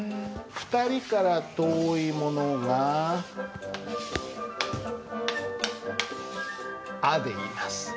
２人から遠いものが「あ」で言います。